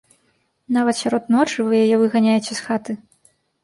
Нават сярод ночы вы яе выганяеце з хаты.